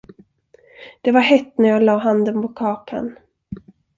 Det var hett när jag lade handen på kakan.